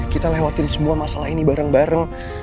kita lewatin semua masalah ini bareng bareng